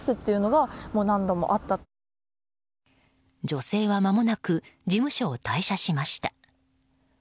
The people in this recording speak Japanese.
女性はまもなく事務所を退社しました。